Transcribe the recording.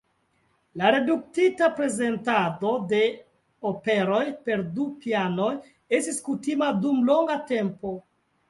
La reduktita prezentado de operoj per du pianoj estis kutima dum longa tempo.